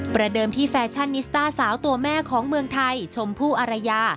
เดิมที่แฟชั่นนิสต้าสาวตัวแม่ของเมืองไทยชมพู่อารยา